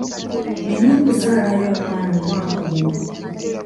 Nina okuzaalayo omwana omwaka guno.